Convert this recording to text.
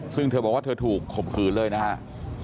ซึ่งเธอบอกว่าเธอถูกข่มขืนเลยนะครับ